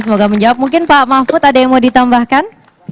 semoga menjawab mungkin pak mahfud ada yang mau ditambahkan